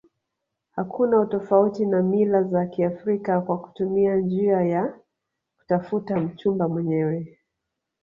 Hakuna utofauti na mila za kiafrika kwa kutumia njia ya kutafuta mchumba mwenyewe